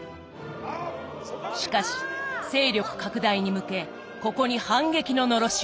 しかし勢力拡大に向けここに反撃ののろしを上げた。